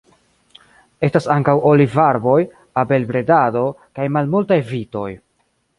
Estas ankaŭ olivarboj, abelbredado kaj malmultaj vitoj.